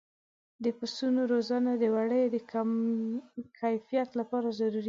د پسونو روزنه د وړیو د کیفیت لپاره ضروري ده.